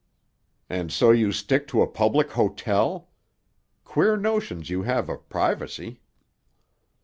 "And so you stick to a public hotel! Queer notions you have of privacy."